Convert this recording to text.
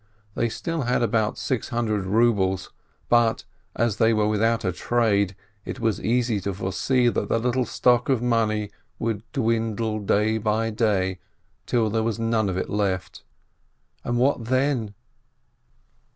They still had about six hundred rubles,, but, as they were without a trade, it was easy to foresee that the little stock of money would dwindle day by day till there was none of it left — and what then